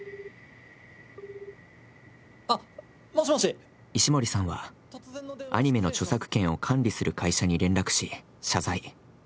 一方石森さんは、アニメの著作権を管理する会社に連絡し謝罪。